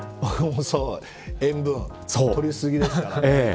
塩分、取り過ぎですからね。